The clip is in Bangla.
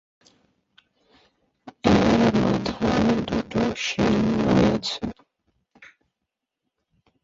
এর মাথায় দুটো শিং রয়েছে।